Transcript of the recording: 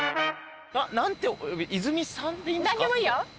泉さんでいいんですか？